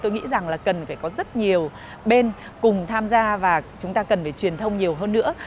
tôi nghĩ rằng là cần phải có rất nhiều bên cùng tham gia và chúng ta cần phải truyền thông nhiều hơn nữa